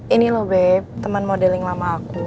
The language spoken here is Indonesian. ini loh be temen modeling lama aku